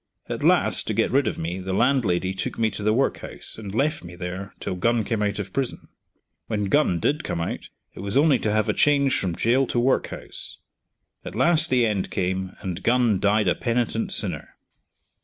At last, to get rid of me the landlady took me to the workhouse, and left me there till Gun came out of prison. When Gun did come out, it was only to have a change from gaol to workhouse. At last the end came, and Gun died a penitent sinner.